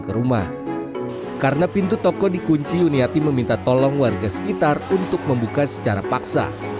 ke rumah karena pintu toko dikunci yuniati meminta tolong warga sekitar untuk membuka secara paksa